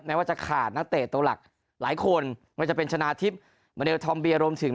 แนว่าจะขาดณตัวหลักหลายคนมันจะเป็นชนะทิศมันจะถอมเบียรมถึง